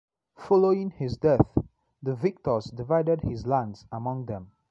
Following his death the victors divided his lands among them.